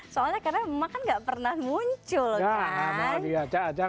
soalnya karena emang kan gak pernah muncul kan